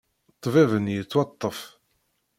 Ṭṭbib-nni yettwaṭṭef.